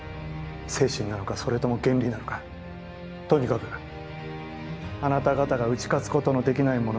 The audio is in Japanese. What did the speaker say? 精神なのかそれとも原理なのかとにかくあなた方が打ち勝つことのできないものがです。